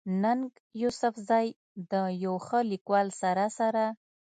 ننګ يوسفزۍ د يو ښه ليکوال سره سره